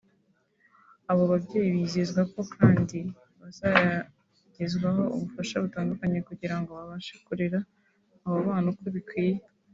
Abo babyeyi bizezwa ko kandi bazagezwaho ubufasha butandukanye kugira ngo babashe kurera abo bana uko bikwiye